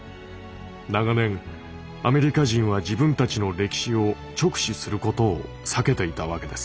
長年アメリカ人は自分たちの歴史を直視することを避けていたわけです。